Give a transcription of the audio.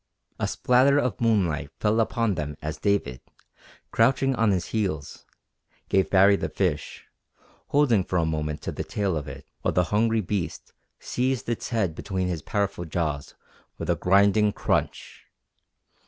A spatter of moonlight fell upon them as David, crouching on his heels, gave Baree the fish, holding for a moment to the tail of it while the hungry beast seized its head between his powerful jaws with a grinding crunch.